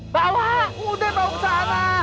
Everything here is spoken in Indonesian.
bawa udah bawa kesana